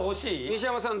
西山さん